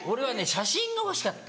写真が欲しかった。